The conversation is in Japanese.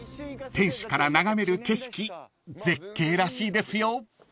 ［天守から眺める景色絶景らしいですよ］